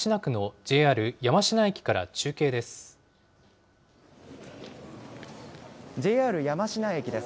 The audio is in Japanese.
ＪＲ山科駅です。